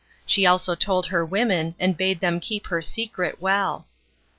She also told her women, and bade them keep her secret well.